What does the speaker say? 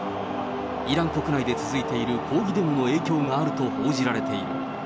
イラン国内で続いている抗議デモの影響があると報じられている。